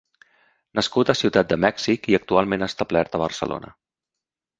Nascut a Ciutat de Mèxic i actualment establert a Barcelona.